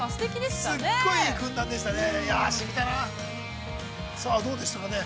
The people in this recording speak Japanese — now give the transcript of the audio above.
◆すごいいい軍団でしたね。